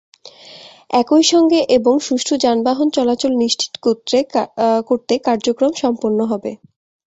একই সঙ্গে এবং সুষ্ঠু যানবাহন চলাচল নিশ্চিত করতে কার্যক্রম সম্পন্ন হবে।